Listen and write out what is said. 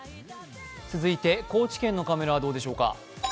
続いて高知県のカメラはどうでしょうか。